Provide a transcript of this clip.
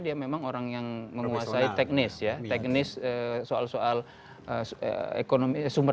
lama berarti dulu